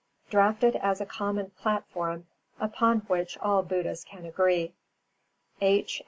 Drafted as a common platform upon which all Buddhists can agree. H.